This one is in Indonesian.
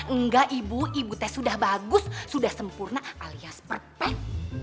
enggak ibu ibu teh sudah bagus sudah sempurna alias perpen